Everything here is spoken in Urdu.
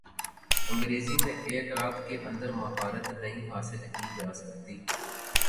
انگریزی میں ایک رات کے اندر مہارت نہیں حاصل کی جا سکتی